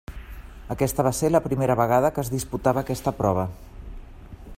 Aquesta va ser la primera vegada que es disputava aquesta prova.